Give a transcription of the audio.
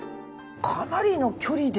かなりの距離ですよね？